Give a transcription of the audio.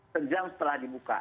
sejam setelah dibuka